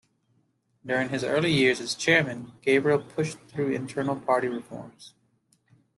During his early years as chairman, Gabriel pushed through internal party reforms.